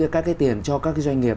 các cái tiền cho các doanh nghiệp